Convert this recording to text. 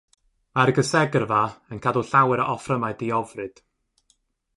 Mae'r Gysegrfa yn cadw llawer o offrymau diofryd.